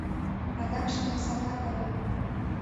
Адакше мый салтак ыльым.